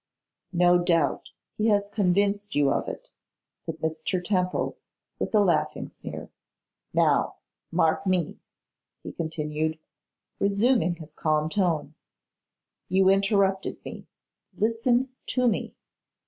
'No doubt he has convinced you of it,' said Mr. Temple, with a laughing sneer. 'Now, mark me,' he continued, resuming his calm tone, 'you interrupted me; listen to me.